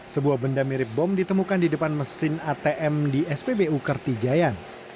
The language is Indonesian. sebuah benda mirip bom ditemukan di depan mesin atm di spbu kertijayan